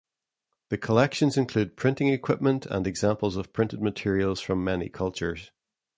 The collections include printing equipment and examples of printed materials from many cultures.